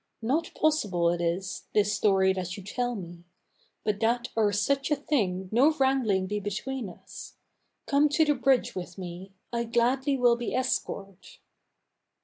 Not possible it is, this story that you tell me. But that o'er such a thing no wrangling be between us, Come to the bridge with me; I gladly will be escort.